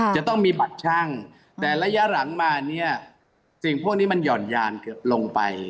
จะต้องมีบัตรช่างแต่ระยะหลังมาเนี่ยสิ่งพวกนี้มันหย่อนยานเกือบลงไป